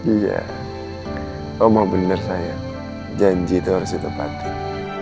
iya omong bener sayang janji itu harus ditepatin